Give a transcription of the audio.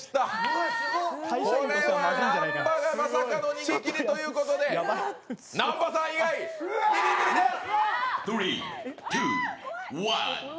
これは南波がまさかの逃げきりということで南波さん以外ビリビリです。